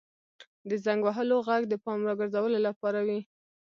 • د زنګ وهلو ږغ د پام راګرځولو لپاره وي.